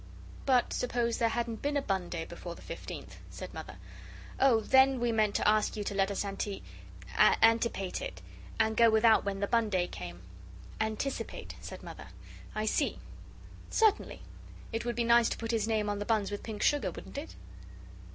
"But suppose there hadn't been a bun day before the fifteenth?" said Mother. "Oh, then, we meant to ask you to let us anti antipate it, and go without when the bun day came." "Anticipate," said Mother. "I see. Certainly. It would be nice to put his name on the buns with pink sugar, wouldn't it?"